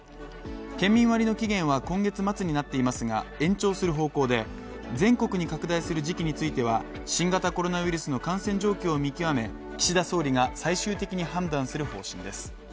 県民割の期限は今月末になっていますが、延長する方向で全国に拡大する時期については、新型コロナウイルスの感染状況を見極め、岸田総理が最終的に判断する方針です。